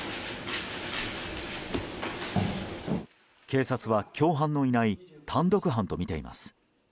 警察は、共犯のいない単独犯とみています。